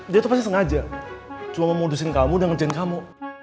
dia itu pasti sengaja cuma mau mudusin kamu dan ngerjain kamu